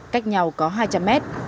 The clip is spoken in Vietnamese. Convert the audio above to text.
cách nhau có hai trăm linh mét